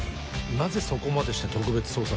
なぜそこまでして特別捜査官に？